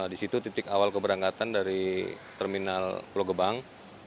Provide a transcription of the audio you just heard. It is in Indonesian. di situ titik awal keberangkatan dari terminal pulau gebang